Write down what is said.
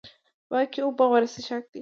پاکې اوبه غوره څښاک دی